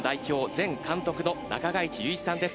前監督の中垣内祐一さんです。